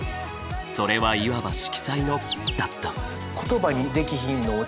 「それはいわば色彩のだった」。